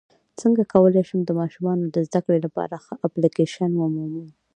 څنګه کولی شم د ماشومانو د زدکړې لپاره ښه اپلیکیشن ومومم